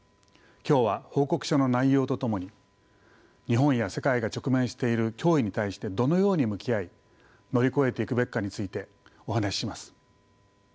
今日は報告書の内容とともに日本や世界が直面している脅威に対してどのように向き合い乗り越えていくべきかについてお話しします。